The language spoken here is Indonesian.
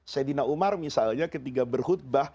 sayyidina umar misalnya ketika berhutbah